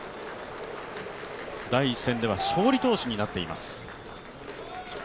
第１戦では勝利投手になっています。